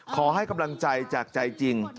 ขอให้กำลังใจจากใจจริง